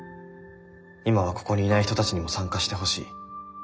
今はここにいない人たちにも参加してほしい」。